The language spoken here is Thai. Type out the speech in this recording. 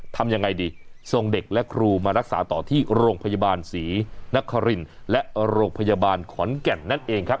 ทำยังไงดีส่งเด็กและครูมารักษาต่อที่โรงพยาบาลศรีนครินและโรงพยาบาลขอนแก่นนั่นเองครับ